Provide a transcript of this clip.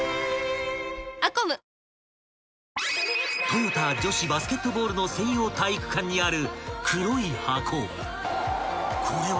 ［トヨタ女子バスケットボールの専用体育館にある］